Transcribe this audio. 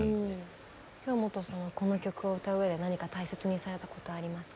京本さんはこの曲を歌う上で何か大切にされたことありますか？